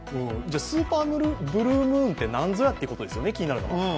スーパーブルームーンって何ぞやということですよね、気になることは。